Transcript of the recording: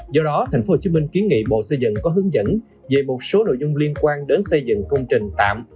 do đó tp hcm kiến nghị bộ xây dựng có hướng dẫn về một số nội dung liên quan đến xây dựng công trình tạm